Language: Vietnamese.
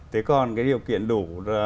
thế còn cái điều kiện đủ